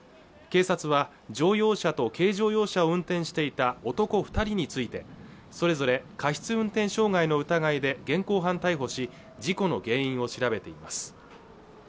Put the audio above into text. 警察は乗用車と軽乗用車を運転していた男二人についてそれぞれ過失運転傷害の疑いで現行犯逮捕し事故の原因を調べています